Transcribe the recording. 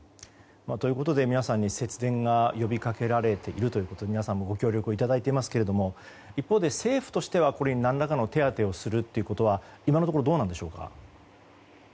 皆さんに節電が呼びかけられているということで皆さんにもご協力いただいていますけれども一方で政府としては何らかの手当てをするとか今のところどうでしょうか。